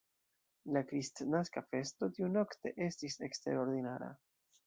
La Kristnaska festo tiunokte estis eksterordinara.